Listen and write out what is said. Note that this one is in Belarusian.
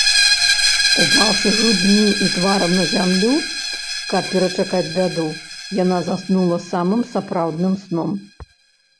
Упаўшы грудзьмі і тварам на зямлю, каб перачакаць бяду, яна заснула самым сапраўдным сном.